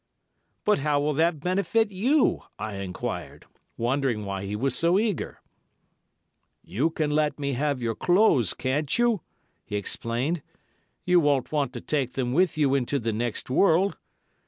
"But how will that benefit you?" I enquired, wondering why he was so eager. "You can let me have your clothes, can't you?" he explained; "you won't want to take them with you into the next world.